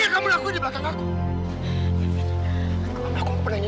kau tahu gak campur gimana ruangnya